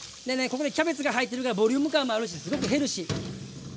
ここにキャベツが入ってるからボリューム感もあるしすごくヘルシー。